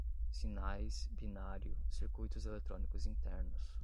sinais, binário, circuitos eletrônicos internos